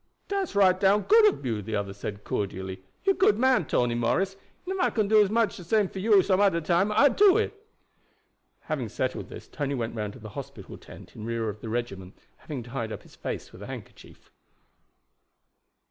"Dat's right down good ob you," the other said cordially. "You good man, Tony Morris; and if I can do as much for you anoder time, I do it." Having settled this, Tony went round to the hospital tent in rear of the regiment, having tied up his face with a handkerchief.